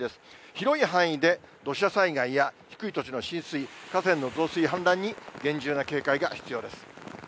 広い範囲で土砂災害や低い土地の浸水、河川の増水、氾濫に厳重な警戒が必要です。